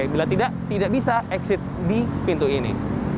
bila tidak tidak bisa exit di pintu ini